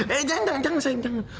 eh jangan jangan sayang